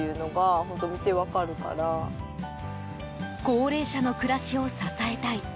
高齢者の暮らしを支えたい。